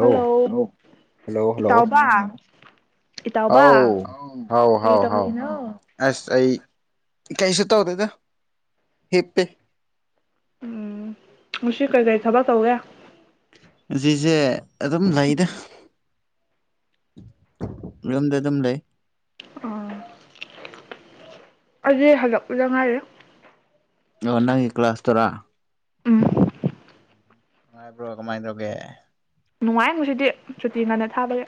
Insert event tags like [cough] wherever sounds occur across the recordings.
hello hello hello ꯏꯇꯥꯎꯕ ꯏꯇꯥꯎꯕ ꯍꯥꯎ ꯍꯥꯎ ꯀꯔꯤ ꯇꯧꯔꯤꯅꯣ ꯀꯩ ꯁ ꯇꯗꯗ ꯍꯦ ꯄꯦ ꯎꯝ ꯃꯁꯛ ꯀꯩ ꯀꯩ ꯊꯕꯛ ꯇꯧꯒꯦ ꯖꯤꯁꯦ ꯑꯗꯨꯝ ꯂꯩꯗ ꯌꯨꯝꯗ ꯑꯗꯨꯝ ꯂꯩ ꯑꯣ ꯑꯗꯨ ꯍꯜꯂꯛꯄꯗ ꯉꯥꯏꯔꯦ ꯑꯣ ꯅꯪ ꯀ꯭ꯂꯥꯁ ꯇꯣꯔꯥ ꯎꯝ ꯅꯨꯡꯉꯥꯏꯕ꯭ꯔꯣ ꯀꯃꯥꯏꯅ ꯇꯧꯒꯦ ꯅꯨꯡꯉꯥꯏꯉꯨꯁꯤꯗꯤ ꯁꯨꯇꯤ ꯉꯟꯅ ꯊꯥꯕꯒꯤꯦ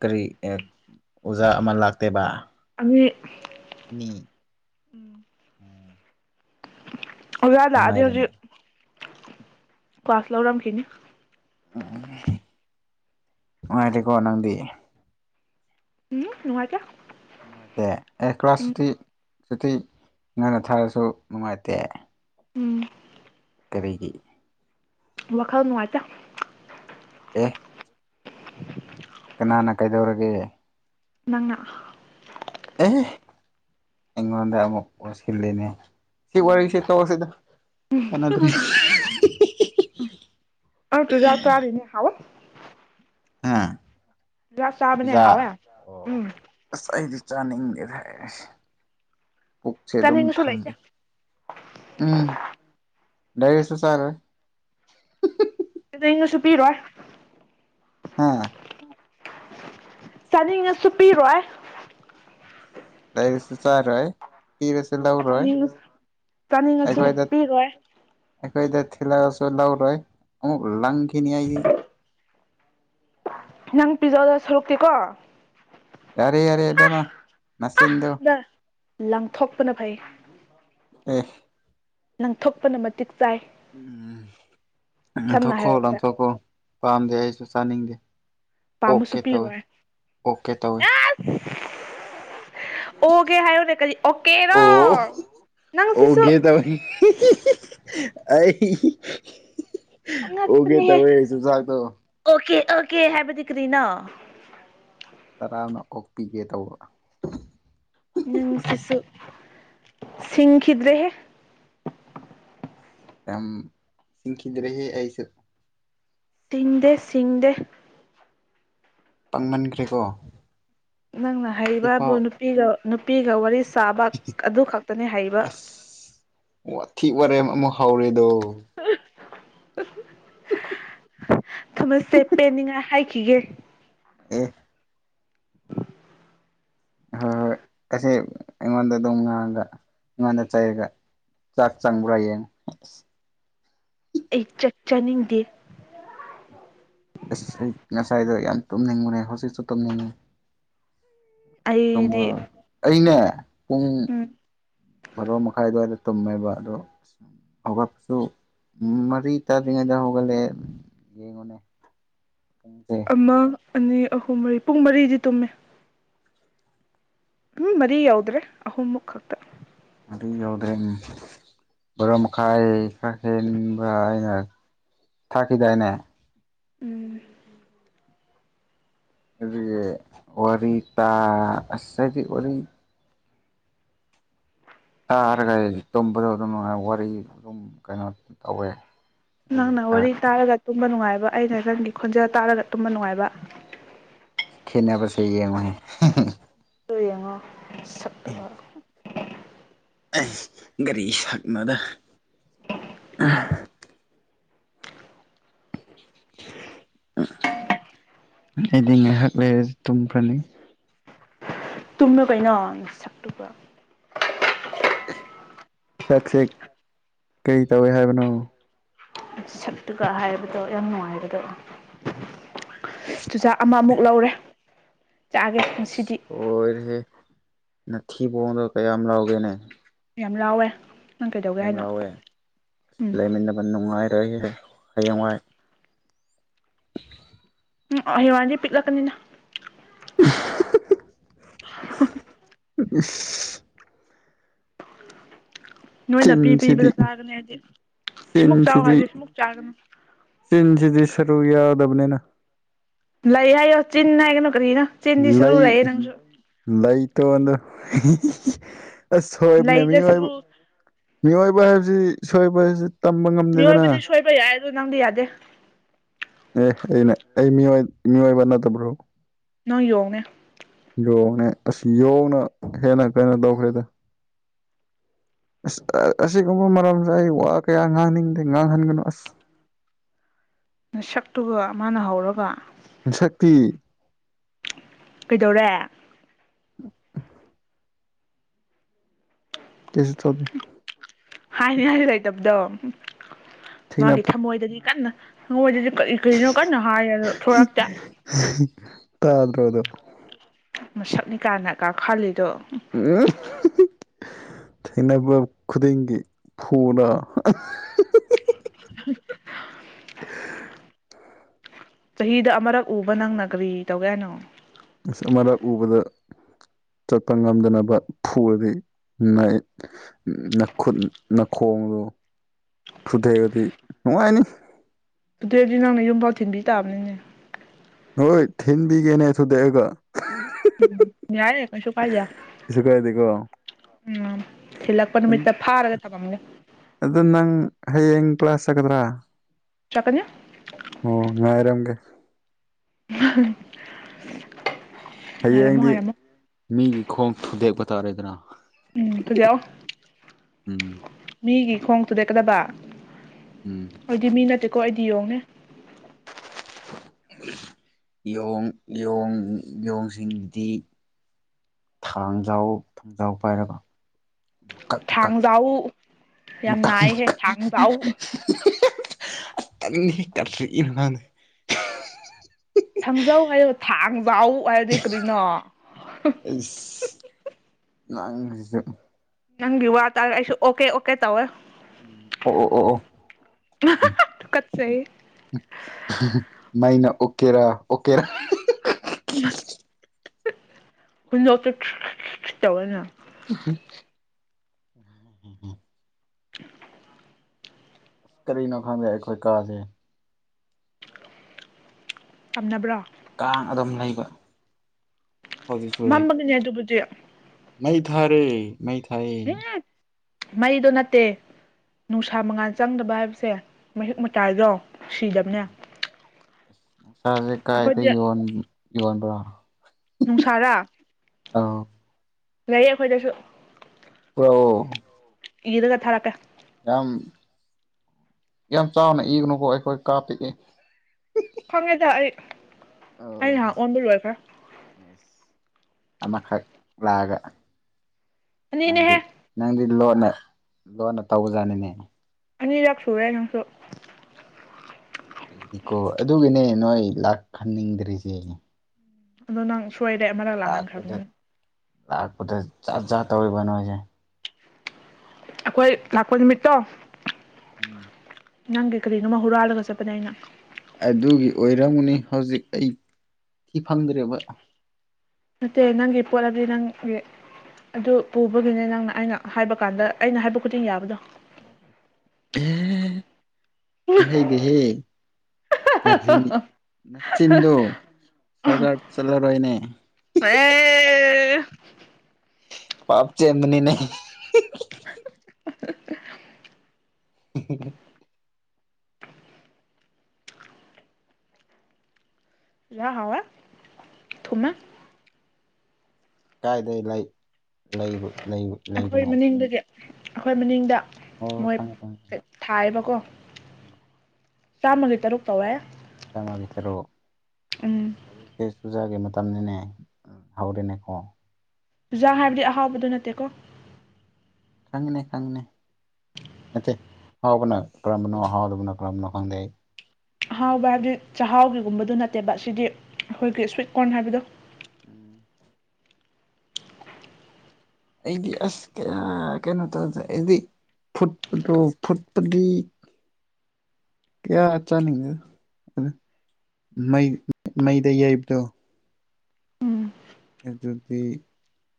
ꯀꯔꯤ ꯑꯣꯖꯥ ꯑꯃ ꯂꯥꯛꯇꯦꯕ ꯑ ꯅꯤ ꯑꯣꯖꯥ ꯂꯥꯛꯑꯗꯤ ꯍꯧꯖꯤꯛ ꯀ꯭ꯂꯥꯁ ꯂꯥꯎꯔꯝ ꯈꯤꯅꯤ ꯎꯝ ꯅꯨꯉꯥꯏꯗꯤ ꯀꯣ ꯅꯪꯗꯤ ꯎꯝ ꯅꯨꯉꯥꯏꯇꯦ ꯗꯦ ꯑꯦ ꯀ꯭ꯂꯥꯁꯇꯤ ꯍꯧꯖꯤꯛꯇꯤ ꯉꯥꯅ ꯊꯥꯔꯁꯨ ꯅꯨꯡꯉꯥꯏꯇꯦ ꯎꯝ ꯀꯔꯤꯒꯤ ꯋꯥꯈꯜ ꯅꯨꯡꯉꯥꯏꯇ ꯑꯦ ꯀꯅꯥꯅ ꯀꯩꯗꯧꯔꯒꯦ ꯅꯪꯅ ꯑꯦ ꯏꯉꯣꯟꯗꯁꯤꯅꯦ ꯁꯤ ꯎꯝ ꯋꯥꯔꯤꯁꯤ ꯇꯧꯁꯤꯗ ꯀꯅꯗ꯭ꯔꯔꯤ ꯑꯩ ꯆꯨꯖꯥꯛ ꯆꯥꯔꯤꯅꯦ ꯍꯥꯎꯋꯦ ꯍꯥꯥ ꯂꯁ ꯁꯥꯕꯅ ꯍꯥꯏꯋ ꯎꯝ ꯆꯅꯤꯡꯗꯦ ꯊꯥꯏ ꯄꯨꯛꯁꯦ ꯑꯗꯨꯝ ꯆꯥꯅꯤꯡꯉꯁꯨ ꯂꯩꯇꯦ ꯊꯪꯉꯤ ꯎꯝ ꯅꯔꯁꯨ ꯁꯔ ꯩꯅꯁꯨ ꯄꯤꯔꯣꯏ ꯍꯥꯥ ꯆꯥꯅꯤꯡꯉꯁꯨ ꯄꯤꯔꯣꯏ ꯂꯩꯩꯁꯨ ꯆꯥꯔꯨ ꯆꯥꯅꯤꯡꯉ ꯆꯥꯅꯤꯡꯉꯁꯨ ꯑꯩꯈꯣꯏꯗ ꯄꯤꯔꯣꯏ ꯑꯩꯈꯣꯏꯗ ꯊꯤꯜꯂꯛꯒꯁꯨ ꯂꯧꯔꯣꯏ ꯑꯃꯨꯛ ꯂꯪ ꯅꯤ ꯍꯥꯏꯥꯏ ꯅꯪ ꯄꯤꯖꯧꯗ ꯁꯣꯔꯨꯛꯇꯦꯀꯣ ꯌꯥꯔꯦ ꯌꯥꯔꯦ ꯏꯕꯦꯝꯃ ꯃꯁꯤꯗꯨ ꯗ ꯂꯪꯊꯣꯛꯄꯅ ꯐꯩ ꯑꯣ ꯅꯪꯊꯣꯛꯄꯅ ꯃꯇꯤꯛ ꯆꯥꯏ ꯎꯝ ꯁꯝꯅ ꯊꯈꯣ ꯍꯥꯏꯔꯕꯗ ꯊꯈꯣ ꯄꯝ ꯆꯥꯅꯤꯡꯗꯦ ꯄꯥꯝꯃꯁꯨ ꯑꯣꯛꯀꯦ ꯇꯧꯋꯦ ꯄꯤꯔꯣꯏ ꯑꯣꯛꯀꯦ ꯇꯧꯋꯦ ꯑꯣꯒꯦ ꯍꯥꯏꯌꯣꯅꯦ ꯀꯖꯤ ꯑꯣꯀꯦꯔꯣ ꯑꯣ ꯅꯪ ꯁꯤꯁꯨ ꯑꯣꯒꯦ ꯇꯧꯋꯦ ꯑꯩ ꯑꯣꯒꯦ ꯑꯉꯛꯄꯅꯦꯍꯦ ꯇꯧꯋꯦ ꯆꯨꯖꯥꯛꯇꯣ ꯑꯣꯀꯦ ꯑꯣꯀꯦ ꯍꯥꯏꯕꯗꯤ ꯀꯔꯤꯅꯣ ꯇꯔꯥꯝꯅ ꯑꯣꯛꯄꯤꯒꯦ ꯇꯧꯕ ꯅꯪꯁꯤꯁꯨ ꯁꯤꯡꯈꯤꯗ꯭ꯔꯦꯍꯦ ꯌꯥꯝ ꯁꯤꯈꯤꯗ꯭ꯔꯦ ꯍꯦ ꯑꯩꯁꯨ ꯇꯤꯡꯗꯦ ꯆꯤꯡꯗꯦ ꯇꯥꯡꯃꯟꯈ꯭ꯔꯦꯀꯣ ꯅꯪꯅ ꯍꯩꯕꯕꯨ ꯅꯨꯄꯤꯒ ꯅꯨꯄꯤꯒ ꯋꯥꯔꯤ ꯆꯥꯕ ꯑꯗꯨ ꯈꯛꯇꯅꯤ ꯍꯩꯕ ꯑꯁ ꯋꯥꯊꯤ ꯋꯥꯔꯦꯝ ꯑꯃꯨꯛ ꯍꯧꯔꯦꯗꯣ ꯍ ꯊꯃꯁꯦ ꯄꯦꯟꯅꯤꯡꯉꯥꯏ ꯍꯥꯏꯈꯤꯒꯦ ꯑꯦ ꯍꯣꯏ ꯑꯁꯤꯁꯦ ꯑꯩꯉꯣꯟꯗ ꯑꯗꯨꯝ ꯉꯥꯡꯉꯒ ꯑꯩꯉꯣꯟꯗ ꯆꯩꯔꯒ ꯆꯥꯛ ꯆꯪꯕ꯭ꯔꯥ ꯌꯦꯡꯉꯨ ꯑꯁ ꯑꯩ ꯆꯥꯛ ꯆꯥꯅꯤꯡꯗꯦ ꯑꯁ ꯑꯩ ꯉꯁꯥꯏꯗꯣ ꯌꯥꯝ ꯇꯨꯝꯅꯤꯡꯉꯨꯔꯦ ꯍꯧꯖꯤꯛꯁꯨ ꯇꯨꯝꯅꯤꯡꯉꯦ ꯑꯗꯨꯃ ꯑꯩꯗꯤ ꯑꯩꯅꯦ ꯄꯨꯡ ꯎꯝ ꯕꯥꯔꯣ ꯃꯈꯥꯏ ꯑꯗꯨꯋꯥꯏꯗ ꯇꯨꯝꯃꯦꯕ ꯑꯗꯣꯨꯝ ꯍꯧꯒꯠꯄꯁꯨ ꯃꯔꯤ ꯇꯥꯗ꯭ꯔꯤꯉꯩꯗ ꯍꯧꯒꯠꯂꯑꯦ ꯌꯦꯡꯉꯨꯅꯦ ꯄꯨꯡꯁꯦ ꯑꯃ ꯑꯅꯤ ꯑꯍꯨꯝ ꯃꯔꯤ ꯄꯨꯡ ꯃꯔꯤꯗꯤ ꯇꯨꯝꯃꯦ ꯎꯝ ꯃꯔꯤ ꯌꯧꯗ꯭ꯔꯦ ꯑꯍꯨꯝꯃꯨꯛ ꯈꯛꯇ ꯑꯗꯨ ꯌꯧꯗ꯭ꯔꯦ ꯕꯣꯔ ꯃꯈꯥꯏ ꯈꯥ ꯍꯦꯟꯕ꯭ꯔ ꯑꯅ ꯊꯥꯛꯈꯤꯗꯥꯏꯅꯦ ꯎꯝ ꯋꯥꯔꯤꯔ ꯇꯗꯤ ꯋꯥꯔꯤꯔꯔꯤ ꯑ ꯍꯔꯒꯥꯏ ꯇꯝꯕ ꯑꯗꯨ ꯑꯗꯨ ꯅꯨꯡꯥꯏ ꯋꯥꯔꯤ ꯑꯗꯨꯝ ꯀꯩꯅꯣ ꯑꯗꯨꯝ ꯇꯧꯋꯦ ꯑꯗꯨꯒꯤ ꯅꯪꯅꯥ ꯈꯔ ꯋꯥꯔꯤ ꯇꯥꯔꯒ ꯇꯨꯝꯕ ꯅꯨꯡꯉꯥꯏꯕ ꯑꯩꯅ ꯅꯪꯒꯤ ꯈꯣꯟꯖꯦꯜ ꯇꯥꯔꯒ ꯇꯨꯝꯕ ꯅꯨꯡꯉꯥꯏꯕ ꯈꯦꯅꯕꯁꯦ ꯌꯦꯡꯉꯨ ꯍꯥꯏ ꯌꯦꯡꯉꯣ ꯁꯛꯇꯨꯒ ꯀꯔꯤ ꯁꯛꯅꯣꯗ ꯑꯩꯗꯤ ꯉꯥꯏꯍꯥꯛ ꯂꯩꯔꯁꯨ ꯇꯨꯝꯈ꯭ꯔꯅꯤ ꯇꯨꯝꯃꯨ ꯀꯩꯅꯣ ꯅꯁꯛ ꯇꯨꯒ ꯁꯛꯁꯦ ꯀꯔꯤ ꯇꯧꯋꯦ ꯍꯥꯏꯕꯅꯣ ꯁꯛꯇꯨꯒ ꯍꯥꯏꯕꯗꯣ ꯌꯥꯝ ꯅꯨꯡꯉꯥꯏꯕꯗꯣ ꯆꯨꯖꯥꯛ ꯑꯃꯃꯨꯛ ꯂꯧꯔꯦ ꯆꯥꯒꯦ ꯉꯁꯤꯗꯤ ꯂꯣꯏꯔꯦ ꯍꯦ ꯅꯊꯤꯕꯣꯡꯗꯣ ꯀꯌꯥꯝ ꯂꯥꯎꯒꯦꯅꯪ ꯌꯥꯝ ꯂꯥꯎꯋꯦ ꯅꯪ ꯀꯩꯗꯧꯒꯦ ꯌꯥꯝ ꯍꯥꯏꯅꯣ ꯂꯥꯎꯋꯦ ꯎꯝ ꯂꯩꯃꯤꯟꯅꯕ ꯅꯨꯡꯉꯥꯏ ꯔꯣꯏ ꯍꯌꯦꯡꯋꯥꯏ ꯎꯝ ꯍꯌꯦꯡꯋꯥꯏꯗꯤ ꯄꯤꯛꯂꯛꯀꯅꯤꯅ ꯍꯍꯍꯍ ꯅꯣꯏꯅ ꯄꯤ ꯆꯤꯟꯁꯤꯗꯤ ꯄꯤꯕꯗ ꯆꯥꯒꯅꯤ ꯍꯥꯏꯗꯤ ꯁꯤꯃꯨꯛ ꯆꯥꯎ ꯆꯤꯟꯁꯤꯗꯤ ꯍꯥꯏꯔꯗꯤ ꯁꯤꯃꯨꯛ ꯆꯥꯒꯅꯤ ꯆꯤꯟꯁꯤꯗꯤ ꯁꯔꯨ ꯌꯥꯗꯕꯅꯦꯅ ꯂꯩ ꯍꯥꯏꯑꯣ ꯆꯤꯟꯅ ꯂꯩ ꯂꯩ ꯇꯣꯟꯗ [inaudible] [unintelligible] ꯑꯁ ꯍꯣꯏꯕꯅꯦ ꯃꯤ ꯂꯩꯗ ꯑꯣꯏ ꯁꯔꯨ ꯃꯤ ꯑꯣꯏ ꯄꯥ ꯍꯥꯏꯖꯤ ꯁꯣꯏꯕꯦꯖꯤ ꯃꯤꯑꯣꯏꯕꯗꯤ ꯁꯣꯏꯕ ꯌꯥꯏ ꯅꯪꯗꯤ ꯌꯥꯗꯦ ꯑꯦ ꯑꯩꯅꯦ ꯑꯩ ꯃꯤꯑꯣꯏꯕ ꯅꯠꯇꯕ꯭ꯔꯣ ꯅꯪ ꯌꯣꯡꯅꯦ ꯌꯣꯡꯅꯦ ꯑꯁ ꯌꯣꯡꯅ ꯍꯦꯟꯅ ꯀꯩꯅꯣ ꯇꯧꯈ꯭ꯔꯦꯗ ꯑꯁ ꯑꯁꯤꯒꯨꯝꯕ ꯃꯔꯝꯁꯦ ꯑꯩ ꯋꯥ ꯀꯌꯥ ꯉꯥꯡꯅꯤꯡꯗꯦ ꯉꯥꯡꯍꯟꯒꯅꯨ ꯑꯁ ꯅ ꯁꯛꯇꯨꯒ ꯃꯥꯅ ꯍꯧꯔꯒ ꯃꯁꯛꯇꯤ ꯀꯩꯗꯧꯔꯦ ꯀꯁꯨ ꯇꯧ ꯍꯥꯏꯅꯤ ꯍꯥꯏ ꯂꯥꯏꯇꯕꯗ ꯊꯦꯡꯅ ꯃꯥꯒꯤ ꯊꯃꯣꯏꯗꯗꯤ ꯀꯟꯅ ꯍꯧꯖꯤ [unintelligible] ꯀꯔꯤ ꯀꯔꯤꯅꯣ ꯀꯟꯅ ꯍꯥꯏꯣ ꯊꯣꯔꯛꯇꯦ ꯇꯥꯗꯔꯣ ꯁꯨ ꯃꯁꯛꯅꯤꯀꯥꯏꯅ ꯀꯥꯈꯜꯂꯤ ꯇꯣ ꯎꯝ ꯊꯦꯡꯅꯕ ꯈꯨꯗꯤꯡꯒꯤ ꯐꯨꯅ [inaudible] [unintelligible] ꯆꯍꯤꯗ ꯑꯃꯔꯛ ꯎꯕ ꯅꯪꯅꯒ꯭ꯔꯤ ꯇꯧꯒ ꯍꯥꯌꯅꯣ ꯑꯁ ꯑꯃꯛ ꯎꯕꯗ ꯆꯠꯄ ꯉꯝꯗꯅꯕ ꯐꯨꯔꯗꯤ ꯈꯨꯠ ꯅꯥꯈꯣꯡꯗꯣ ꯊꯨꯊꯦꯛꯑꯗꯤ ꯅꯨꯡꯉꯥꯏꯅꯤ ꯑꯗꯨꯏꯗꯤ ꯅꯪꯅ ꯌꯨꯝꯐꯥꯎ ꯊꯤꯟꯕꯤ ꯇꯥꯕꯅꯤꯅꯦ ꯍꯣꯏ ꯊꯤꯟꯕꯤꯒꯦꯅꯦ ꯑꯗꯨꯗꯤ ꯑꯩꯒ ꯌꯥꯔꯦ ꯀꯁꯨ ꯀꯥꯏꯗ ꯀꯩꯁꯨ ꯀꯥꯏꯗꯦꯀꯣ ꯎꯝ ꯊꯂꯒꯄ ꯅꯨꯃꯤꯠꯇ ꯐꯔꯒ ꯊꯥꯕꯝꯒꯦ ꯑꯗꯨ ꯅꯪ ꯍꯌꯦꯡ ꯀ꯭ꯂꯥꯁ ꯆꯠꯀꯗ꯭ꯔꯥ ꯆꯠꯀꯅꯤ ꯑꯣ ꯉꯥꯏꯔꯝꯒꯦ [inaudible] [unintelligible] ꯉꯥꯏꯔꯝꯃꯣ ꯍꯌꯦꯡꯗꯤ ꯉꯥꯏꯔꯝꯃꯣ ꯃꯤꯒꯤ ꯈꯣꯡ ꯊꯨꯗꯦꯛꯄ ꯇꯔꯦꯗꯔꯥ ꯎꯝ ꯊꯨꯗꯦꯀꯣ ꯎꯝ ꯃꯤꯒꯤ ꯈꯣꯡ ꯊꯨꯗꯦꯛꯀꯗꯕ ꯎꯝ ꯑꯗꯨꯗꯤ ꯃꯤ ꯅꯠꯇꯦꯀꯣ ꯑꯩꯗꯤ ꯌꯣꯡ ꯅꯦ ꯣꯡꯣꯡ ꯌꯦꯣꯡꯁꯤꯡꯗꯤ ꯊꯥꯡꯖꯥꯎ ꯊꯥꯡꯖꯥꯎ ꯄꯥꯏꯔꯕ ꯊꯥꯡꯗꯥꯎ ꯌꯥꯝ ꯃꯀꯛ ꯅꯥꯏꯍꯦ ꯊꯥꯡꯖꯎ ꯇꯟꯅ ꯀꯠ ꯅꯅꯦ ꯊꯥꯡꯖꯧ ꯍꯥꯏꯌꯣ ꯊꯥꯡꯖ ꯋꯥꯎ ꯋꯥꯏꯗꯤꯦ ꯀꯗꯅꯣ ꯅꯪꯁꯨ ꯅꯪꯒꯤ ꯋꯥ ꯇꯥꯔꯦ ꯑꯩꯁꯨ ꯑꯣꯀꯦ ꯑꯣꯀꯦ ꯇꯧꯋꯦ ꯎ ꯑꯣ ꯑꯣ ꯑꯣ ꯑꯣ ꯇꯨꯀꯠꯆꯩ ꯃꯥꯏꯅ ꯑꯣ ꯀꯦꯔꯥ ꯑꯣꯀꯦꯔ ꯍꯣꯏꯅꯇꯠꯇꯕꯅ [inaudible] ꯑꯁ ꯀꯔꯤꯅꯣ ꯈꯪꯗꯦ ꯑꯩꯈꯣꯏ ꯀꯥꯁꯦ ꯇꯝꯅꯕ꯭ꯔꯣ ꯀꯥꯡ ꯑꯗꯨꯝ ꯂꯩꯕ ꯍꯧꯖꯤꯛꯁꯨ ꯂꯩ ꯃꯝꯕꯒꯅꯦ ꯑꯗꯨꯕꯨꯗꯤ ꯃꯩ ꯊꯥꯔꯦ ꯃ ꯊꯥꯏ ꯎꯝ ꯃꯩꯗꯣ ꯅꯠꯇꯦ ꯅꯨꯡꯁꯥ ꯃꯉꯥꯜ ꯆꯪꯗꯕ ꯍꯥꯏꯕꯁꯦ ꯃꯍꯤꯛ ꯃꯇꯥꯏꯗꯣ ꯁꯤꯤꯖꯕꯅ [inaudible] ꯆꯁꯦ ꯀꯥꯏ ꯌꯧꯣꯟ ꯌ ꯑ ꯅꯨꯡꯁꯥꯔꯥ ꯑꯥ ꯂꯩꯌꯦ ꯑꯩꯈꯣꯏꯗꯁꯨ [unintelligible] ꯏꯗ ꯀ ꯊꯔꯀꯦ ꯌꯥꯝ ꯌꯥꯝ ꯆꯥꯎꯅ ꯏꯒꯅꯨꯀꯣ ꯑꯩꯈꯣꯏ ꯀꯥꯞ ꯄꯤꯏ ꯈꯉꯦꯗ ꯑꯩ ꯑꯩ ꯑꯧ ꯑꯣꯟꯕꯨ ꯋꯥꯔ ꯈ ꯒ ꯅꯪꯗꯤ ꯑꯅꯤꯅꯦꯍꯦ ꯅꯪꯗꯤ ꯂꯣꯟꯅ ꯂꯣꯟꯅ ꯇꯧꯕꯖꯥꯠꯅꯤꯅꯦ ꯑꯅꯤꯔꯛ ꯁꯨꯔꯦ ꯅꯪꯁꯨ ꯑꯩꯗꯤꯀꯣ ꯑꯗꯨꯒꯤꯅꯦ ꯅꯣꯏ ꯂꯥꯛꯍꯟꯅꯤꯡꯗ꯭ꯔꯤꯁꯦ ꯑꯗꯣ ꯅꯪ ꯁꯣꯏꯔꯦ ꯑꯃꯗꯛ ꯂꯥꯛꯄꯗ ꯂꯥꯛꯍꯪꯈ꯭ꯔꯕꯅꯤꯅ ꯂꯥꯛꯄꯗ ꯖꯥꯠ ꯖꯥꯠ ꯇꯧꯔꯤꯕ ꯅꯣꯏꯁꯦ ꯑꯩꯈꯣꯏ ꯂꯥꯛꯄ ꯅꯨꯃꯤꯠꯇꯣ ꯎꯝ ꯅꯪꯒꯤ ꯀꯔꯤꯅꯣꯃ ꯍꯨꯔꯥꯜꯂꯒ ꯆꯠꯄꯅꯦ ꯑꯩꯅ ꯑꯗꯨꯒꯤ ꯑꯣꯏꯔꯝꯅꯤ ꯍꯧꯖꯤꯛ ꯑꯩ ꯊꯤ ꯐꯪꯗ꯭ꯔꯦꯕ ꯅꯠꯇꯦ ꯅꯪꯒꯤ ꯄꯣꯠ ꯍꯥꯏꯕꯗꯤ ꯅꯪꯒꯤ ꯑꯗꯨ ꯄꯨꯕꯒꯤꯅꯦ ꯅꯪꯅ ꯑꯩꯅ ꯍꯥꯏꯕ ꯀꯥꯟꯗ ꯑꯩꯅ ꯍꯥꯏꯕ ꯈꯨꯗꯤꯡ ꯌꯥꯕꯗꯣ ꯑꯦꯍꯍꯍ ꯍꯥꯏꯍꯩꯗꯦꯍꯦ ꯀꯔꯤ ꯅꯆꯤꯟꯗꯣ ꯁꯔꯀꯥꯔ ꯆꯠꯂꯔꯣꯏꯅꯦ ꯏꯍꯤ ꯍꯤ ꯍꯤ ꯑꯦ ꯄꯥꯞ ꯆꯦꯟꯕꯅꯤꯅꯦ ꯍꯦ ꯍ ꯍꯤ [unintelligible] ꯎꯝ ꯍꯨꯝ ꯍꯨꯝ ꯆꯨꯖꯥꯛ ꯍꯥꯎꯋꯦ ꯊꯨꯝꯃꯦ ꯀꯥꯏꯗꯩ ꯂꯩ ꯂꯩꯕ ꯂꯩꯕ ꯑꯩꯈꯣꯏ ꯂꯩꯕꯅꯣ ꯃꯅꯤꯡꯗꯒꯤ ꯑꯩꯈꯣꯏ ꯃꯅꯤꯡꯗ ꯃꯣꯏ ꯊꯥꯏꯕ ꯀꯣ ꯎꯝ ꯆꯥꯝꯃꯒꯤ ꯇꯔꯨꯛ ꯇꯧꯋꯦ ꯆꯥꯝꯃꯒꯤ ꯇꯔꯨꯛ ꯎꯝ ꯑꯗꯨ [unintelligible] ꯄꯤ ꯆꯨꯖꯥꯒꯤ ꯃꯇꯝꯅꯤꯅꯦ ꯍꯥꯎꯔꯦꯅꯦꯀꯣ ꯆꯨꯖꯥꯛ ꯍꯥꯏꯕꯗꯤ ꯑꯍꯥꯎꯕꯗꯨ ꯅꯠꯇꯦꯀꯣ ꯈꯪꯉꯤꯅꯦ ꯈꯪꯉꯤꯅꯦ ꯅꯠꯇꯦ ꯍꯥꯎꯕꯅ ꯀꯔꯝꯕꯅꯣ ꯍꯥꯎꯗꯕꯅ ꯀꯔꯝꯕꯅꯣ ꯈꯪꯗꯦ ꯑꯩ ꯑꯍꯥꯎꯕ ꯍꯥꯏꯕꯗꯤ ꯆꯥꯛꯍꯥꯎꯒꯤꯒꯨꯝꯕꯗꯨ ꯅꯠꯇꯦꯕ ꯁꯤꯗꯤ ꯑꯩꯈꯣꯏꯒꯤ ꯁ꯭ꯋꯤꯠ ꯀꯣꯔꯟ ꯍꯥꯏꯕꯗꯣ ꯎꯝ ꯑꯩꯗꯤ ꯑꯁ ꯀꯌꯥ ꯀꯩꯅꯣ ꯇꯧꯗꯦ ꯑꯩꯗꯤ ꯐꯨꯠꯄꯗꯣ ꯐꯨꯠ ꯄꯗꯤ ꯀꯌꯥ ꯆꯥꯅꯤꯡꯉ ꯉ ꯃꯩ ꯃꯩꯗ ꯌꯩꯕꯗꯣ ꯎꯝ ꯑꯗꯨꯗꯤ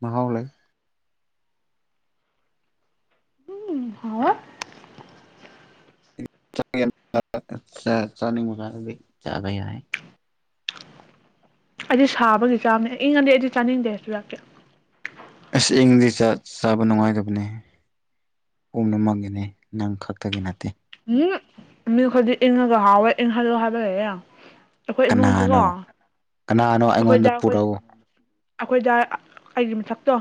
ꯃꯍꯥꯎ ꯂꯩ ꯎꯝ ꯍꯥꯎꯋꯦ ꯆꯥꯛ ꯌꯥꯝ ꯆꯥ ꯆꯥꯅꯤꯡꯕ ꯀꯥꯟꯗꯗꯤ ꯆꯥꯕ ꯌꯥꯏ ꯑꯩꯗꯤ ꯁꯥꯕꯒꯤ ꯆꯥꯝꯅꯦ ꯏꯪꯉꯗꯤ ꯑꯩꯗꯤ ꯆꯥꯅꯤꯡꯗꯦ ꯆꯨꯖꯥꯛꯇꯤ ꯑꯁ ꯏꯪꯉꯗꯤ ꯆꯥ ꯆꯥꯕ ꯅꯨꯡꯉꯥꯏꯗꯕꯅꯦ ꯄꯨꯝꯅꯃꯛꯒꯤꯅꯤ ꯅꯪ ꯈꯛꯇꯒꯤ ꯅꯠꯇꯦ ꯎꯝ ꯃꯤꯈꯣꯏꯗꯤ ꯏꯪꯉꯒ ꯍꯥꯎꯋꯦ ꯏꯪꯍꯜꯂꯣ ꯍꯥꯏꯕ ꯂꯩꯌꯦ ꯑꯩꯈꯣꯏ ꯏꯃꯨꯡꯁꯨꯀꯣ ꯀꯅꯥꯅꯣ ꯀꯅꯥꯅꯣ ꯑꯩꯉꯣꯟꯗ ꯄꯨꯔꯛꯎ ꯑꯩꯈꯣꯏꯗꯥ ꯑꯩꯒꯤ ꯃꯊꯛꯇꯣ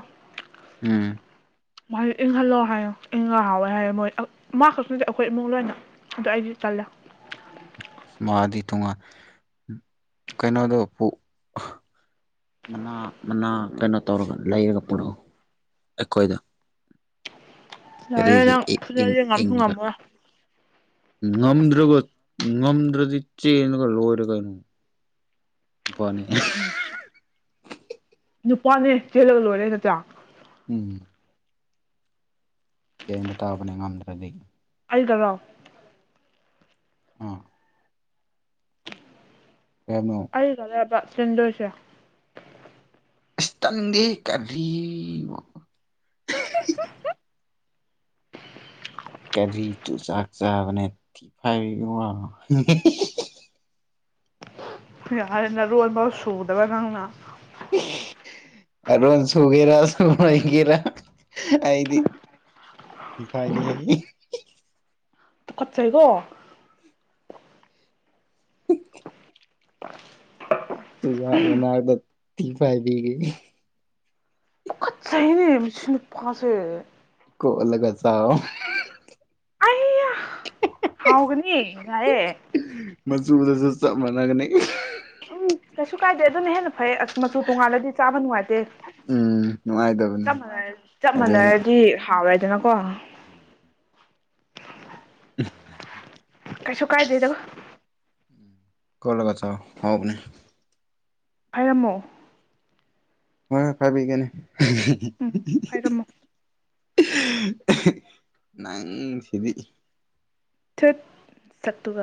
ꯎꯝ ꯃꯥꯗꯤ ꯏꯪꯍꯜꯂꯣ ꯍꯥꯏꯌꯦ ꯏꯪꯉꯒ ꯍꯥꯎꯋꯦ ꯍꯥꯏꯌꯦ ꯃꯣꯏ ꯑ ꯃꯥꯈꯛꯇ ꯅꯠꯇꯦ ꯑꯩꯈꯣꯏ ꯏꯃꯨꯡ ꯂꯣꯏꯅ ꯑꯗꯨ ꯑꯩꯗꯤ ꯇꯜꯂꯦ ꯃꯥꯗꯤ ꯇꯣꯉꯥꯟ ꯀꯩꯅꯣꯗꯣ ꯄꯨ ꯑꯍ ꯃꯅꯥ ꯃꯅꯥ ꯀꯩꯅꯣ ꯇꯧꯔꯒ ꯂꯩꯔꯒ ꯄꯨꯔꯛꯎ ꯑꯩꯈꯣꯏꯗ ꯌꯥꯔꯦ ꯀꯔꯤꯒꯤ ꯅꯪ ꯏ ꯏꯪ ꯐꯨꯅꯔꯗꯤ ꯉꯝꯁꯨ ꯏꯪꯉꯒ ꯉꯝꯃꯣꯏ ꯉꯝꯗ꯭ꯔꯒ ꯉꯝꯗ꯭ꯔꯗꯤ ꯆꯦꯟꯂꯒ ꯂꯣꯏꯔꯦ ꯀꯩꯅꯣ ꯄꯅꯤ ꯑꯍꯦ ꯍꯦꯍꯍ ꯅꯨꯄꯥꯅꯦ ꯆꯦꯜꯂꯒ ꯂꯣꯏꯔꯦ ꯅꯆꯥꯌꯥ ꯎꯝ ꯆꯦꯟꯕ ꯇꯥꯕꯅꯦ ꯉꯝꯗ꯭ꯔꯗꯤ ꯑꯜꯗ ꯂꯥꯎ ꯑꯥ ꯀꯩꯅꯣ ꯑꯗꯨꯗꯗꯕ ꯁꯟꯗꯣꯁ ꯏꯁꯇꯪꯗꯦ ꯀꯔꯤ ꯀꯔꯤ ꯇꯨ ꯆꯥꯛ ꯆꯥꯕꯅꯦ ꯊꯤ ꯐꯥꯏꯕꯤꯅ ꯌꯥꯔꯟꯅ ꯔꯣꯜꯕ ꯁꯣꯛꯗꯕ ꯉꯅ ꯑꯔꯣꯟ ꯁꯨꯒꯦꯔꯥ ꯁꯨ ꯑꯣꯏꯒꯦꯔꯥ ꯑꯩꯗꯤ ꯊꯤꯐꯥꯏꯅꯤ ꯑꯩ ꯈꯠꯆꯩꯀꯣ ꯆꯨꯖꯥꯛ ꯃꯅꯥꯗꯨ ꯇ ꯐꯥꯏꯕꯤꯒꯤ ꯆꯍꯤꯅꯦ ꯃꯤ ꯁꯤꯅꯄꯥꯁꯦ ꯏꯣꯂꯒ ꯆ ꯑꯌꯥ ꯍꯒꯅꯤ ꯌꯥꯑꯦ ꯃꯅꯒꯅꯤ ꯎꯝ ꯀꯩꯁꯨ ꯀꯥꯏꯗꯦ ꯑꯗꯨꯅ ꯍꯦꯟꯅ ꯐꯩ ꯑꯁ ꯃꯆꯨ ꯇꯣꯡꯉꯥꯂꯗꯤ ꯆꯥꯕ ꯅꯨꯡꯉꯥꯏꯇꯦ ꯎꯝ ꯅꯨꯡꯉꯥꯏꯇꯕꯅꯦ ꯆꯞ ꯃꯥꯟꯅ ꯆꯞ ꯃꯥꯟꯅꯔꯗꯤ ꯍꯥꯎꯔ ꯇꯅꯀꯣ ꯎꯝ [inaudible] ꯀꯩꯁꯨ ꯀꯥꯏꯗꯦꯗꯧꯕꯣ ꯀꯣꯂ ꯀ ꯆ ꯍꯕꯅꯦ ꯍꯥꯏꯔꯝꯃꯣ ꯍꯣꯏ ꯐꯕꯤꯤ ꯀꯅꯤ ꯎꯝ ꯐꯥꯏꯔꯝꯃꯣ [inaudible] ꯅꯪ ꯁꯤꯗꯤ ꯊꯠ ꯁꯨꯒ